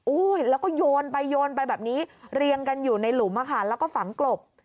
แล้วก็โยนไปโยนไปแบบนี้เรียงกันอยู่ในหลุมแล้วก็ฝังกลบ